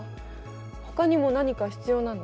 ほかにも何か必要なの？